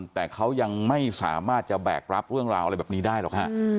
แต่เขายังไม่สามารถจะแบกรับเรื่องราวอะไรแบบนี้ได้หรอกฮะ